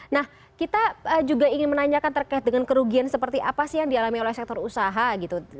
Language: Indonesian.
nah kita juga ingin menanyakan terkait dengan kerugian seperti apa sih yang dialami oleh sektor usaha gitu